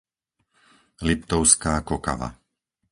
Liptovská Kokava